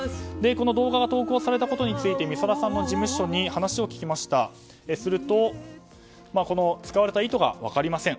動画が投稿されたことについて美空さんの事務所に話を聞くと使われた意図が分かりません。